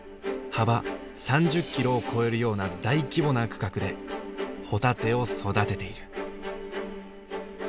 幅３０キロを超えるような大規模な区画でホタテを育てている。